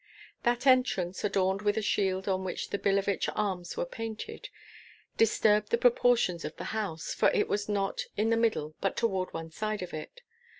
That entrance, adorned with a shield on which the Billevich arms were painted, disturbed the proportions of the house, for it was not in the middle, but toward one side of it.